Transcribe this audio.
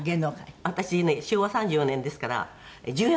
私ね昭和３４年ですから１４歳。